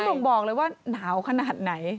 แล้วไม่บอกเลยว่าน้าวขนาดไหน